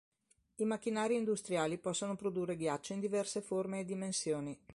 I macchinari industriali possono produrre ghiaccio in diverse forme e dimensioni.